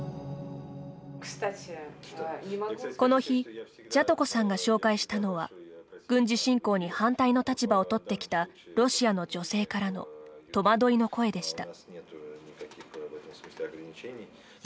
この日、ジャトコさんが紹介したのは軍事侵攻に反対の立場を取ってきたロシアの女性からの戸惑いの声でした。